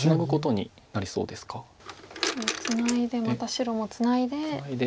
ツナいでまた白もツナいで。